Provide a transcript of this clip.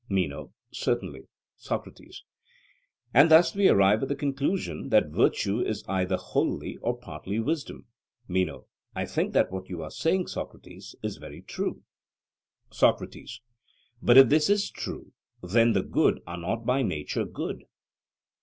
MENO: Certainly. SOCRATES: And thus we arrive at the conclusion that virtue is either wholly or partly wisdom? MENO: I think that what you are saying, Socrates, is very true. SOCRATES: But if this is true, then the good are not by nature good?